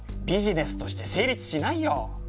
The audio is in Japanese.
ビジネスとして成立しないよ。